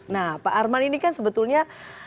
nah pak arman ini kan sebetulnya